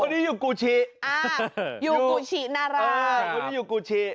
อยู่กูชิอ่าอยู่กูชินาราคนนี้อยู่กูชิ